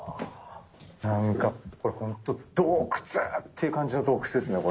何かホント洞窟！って感じの洞窟ですね。